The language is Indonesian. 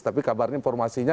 tapi kabarnya informasinya